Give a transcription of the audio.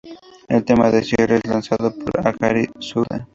El tema de cierre es realizado por Akari Tsuda.